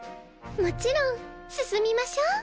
もちろん進みましょう。